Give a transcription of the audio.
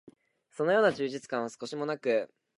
そのような充実感は少しも無く、